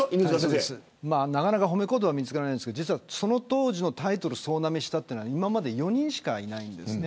なかなか褒め言葉見つからないんですけどその当時のタイトルを総なめしたのは今まで４人しかいないんですね。